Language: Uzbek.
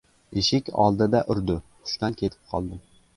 — Eshik oldida urdi. Hushdan ketib qoldim....